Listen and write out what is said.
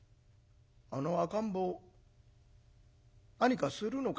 あの赤ん坊何かするのかい？」。